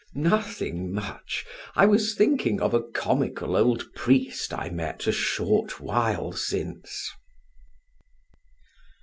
"Nothing much. I was thinking of a comical old priest I met a short while since."